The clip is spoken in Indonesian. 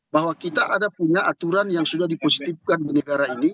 bahwa kita ada punya aturan yang sudah dipositifkan di negara ini